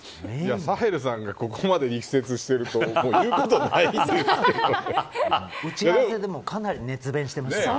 サヘルさんが、ここまで力説してることないですけどかなり熱弁してましたからね。